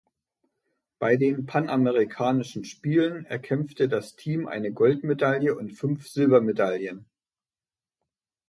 Bei den Panamerikanischen Spielen erkämpfte das Team eine Goldmedaille und fünf Silbermedaillen.